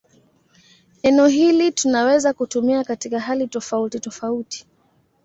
Neno hili tunaweza kutumia katika hali tofautitofauti.